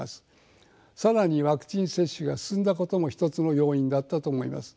更にワクチン接種が進んだことも一つの要因だったと思います。